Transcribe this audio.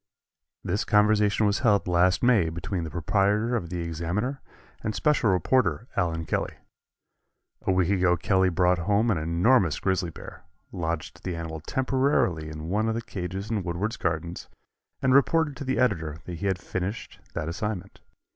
This conversation was held last May between the proprietor of the Examiner and special reporter Allen Kelly. A week ago Kelly brought home an enormous grizzly bear, lodged the animal temporarily in one of the cages in Woodward's Gardens and reported to the editor that he had finished that assignment.